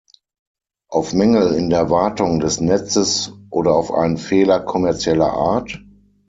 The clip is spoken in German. Auf Mängel in der Wartung des Netzes oder auf einen Fehler kommerzieller Art?